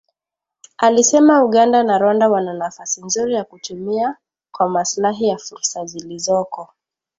alisema Uganda na Rwanda wana nafasi nzuri ya kutumia kwa maslahi yao fursa zilizoko